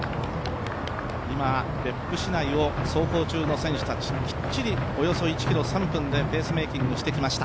今、別府市内を走行中の選手たち、きっちりおよそ１ｋｍ３分でペースメイキングしてきました。